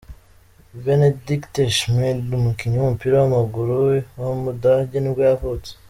Benedikt Schmid, umukinnyi w’umupira w’amaguru w’umudage nibwo yavutse.